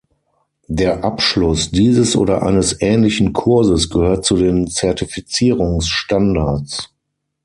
Der Abschluss dieses oder eines ähnlichen Kurses gehört zu den Zertifizierungsstandards.